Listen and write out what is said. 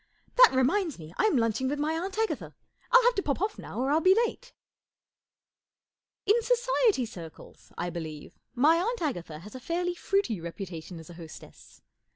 That reminds me, I'm lunching with my Aunt Agatha. I'll have to pop off now, or I'll be late." I N Society circles, I believe, my Aunt Agatha has a fairly fruity reputation as a hostess.